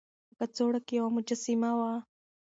په کڅوړه کې يوه مجسمه وه.